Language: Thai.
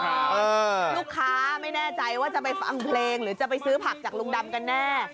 ลูกค้าไม่แน่ใจว่าจะไปฟังเพลงหรือจะไปซื้อผักจากลุงดำกันแน่